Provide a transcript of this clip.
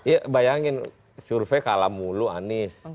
ya bayangin survei kalah mulu anies